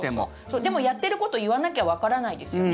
でもやってること言わなきゃわからないですよね。